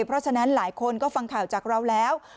เพราะฉะนั้นหลายคนก็ฟังข่าวจากเราแล้ว